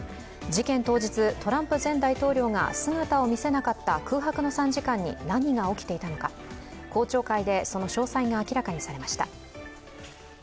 事件当日、トランプ前大統領が姿を見せなかった空白の３時間に何が起きていたのか公聴会で、その詳細が明らかにされました。